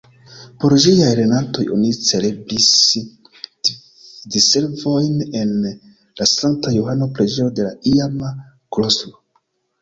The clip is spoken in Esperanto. Por ĝiaj lernantoj oni celebris Diservojn en la Sankta-Johano-preĝejo de la iama klostro.